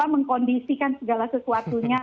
mengkondisikan segala sesuatunya